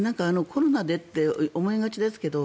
コロナでって思いがちですけど